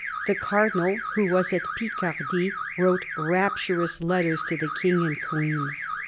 The Cardinal, who was in Picardy, wrote rapturous letters to the King and Queen.